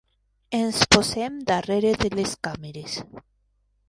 Ens posem darrere de les càmeres.